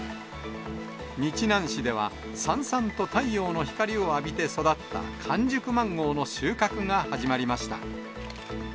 日南市では、さんさんと太陽の光を浴びて育った完熟マンゴーの収穫が始まりました。